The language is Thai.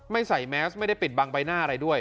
ใส่แมสไม่ได้ปิดบังใบหน้าอะไรด้วย